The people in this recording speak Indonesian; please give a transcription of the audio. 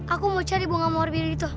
aku mau cari bunga mawar biru itu